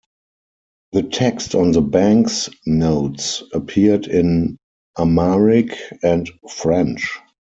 The text on the bank's notes appeared in Amharic and French.